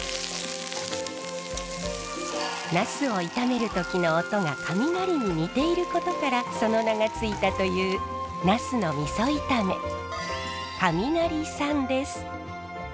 ナスを炒める時の音が雷に似ていることからその名が付いたというナスのみそ炒めかみなりさんです。